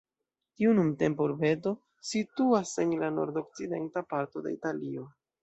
Tiu nuntempa urbeto situas en la nordokcidenta parto de Italio.